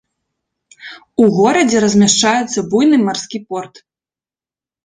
У горадзе размяшчаецца буйны марскі порт.